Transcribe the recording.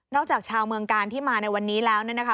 นอกจากชาวเมืองการที่มาในวันนี้แล้วนะคะ